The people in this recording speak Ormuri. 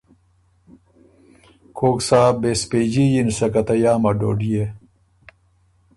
کوک سا بېسپېجي یِن سکه ته یامه ډوډيې۔